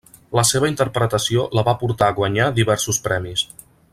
La seva interpretació la va portar a guanyar diversos premis.